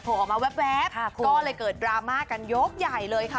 ออกมาแว๊บก็เลยเกิดดราม่ากันยกใหญ่เลยค่ะ